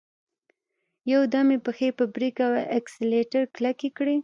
يودم يې پښې په بريک او اکسلېټر کلکې کړې.